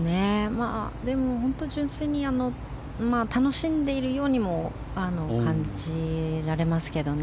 でも純粋に楽しんでいるようにも感じられますけどね。